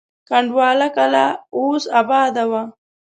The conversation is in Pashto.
کنډواله کلا اوس اباده وه.